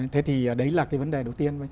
thế thì đấy là vấn đề đầu tiên